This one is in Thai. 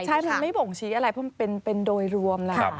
ใช่มันไม่บ่งชี้อะไรเพราะมันเป็นโดยรวมแล้ว